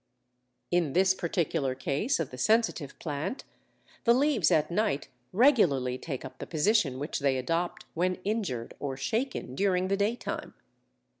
In this particular case of the Sensitive Plant, the leaves at night regularly take up the position which they adopt when injured or shaken during the daytime.